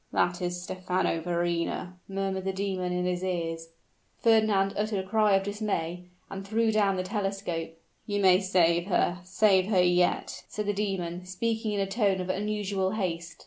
"That is Stephano Verrina!" murmured the demon in his ears. Fernand uttered a cry of dismay, and threw down the telescope. "You may save her save her yet," said the demon, speaking in a tone of unusual haste.